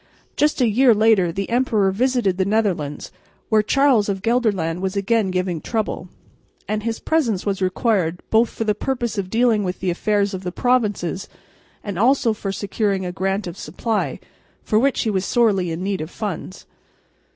Just a year later the emperor visited the Netherlands, where Charles of Gelderland was again giving trouble, and his presence was required both for the purpose of dealing with the affairs of the provinces and also for securing a grant of supply, for he was sorely in need of funds.